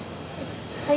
はい。